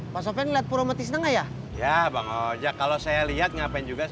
pass bitte nang lebih deal nothat kard itu lho lah